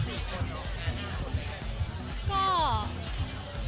แม่แก้วเลย